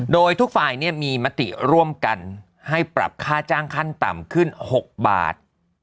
โดยทุกฝ่ายมีมติร่วมกันให้ปรับค่าจ้างขั้นต่ำขึ้น๖บาท